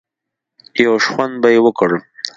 يو شخوند به يې وکړ.